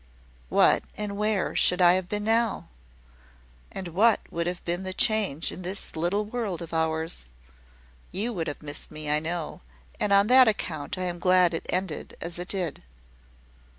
"What, and where, should I have been now? And what would have been the change in this little world of ours? You would have missed me, I know; and on that account I am glad it ended as it did."